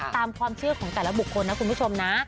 ตามความเชื่อของแต่ละบุคคลนะคุณผู้ชมนะ